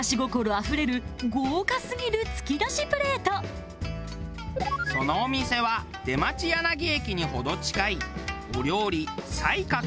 ２軒目はそのお店は出町柳駅に程近い御料理西角。